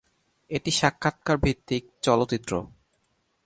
এটি সাক্ষাৎকার ভিত্তিক চলচ্চিত্র।